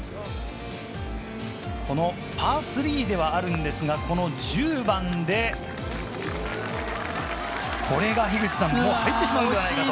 このパー３ではあるんですが、この１０番で、これがもう入ってしまうんじゃないかと。